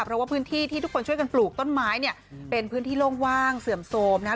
เพราะว่าพื้นที่ที่ทุกคนช่วยกันปลูกต้นไม้เนี่ยเป็นพื้นที่โล่งว่างเสื่อมโทรมนะฮะ